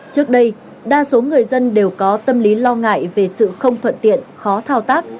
trước đây đa số người dân đều có tâm lý lo ngại về sự không thuận tiện khó thao tác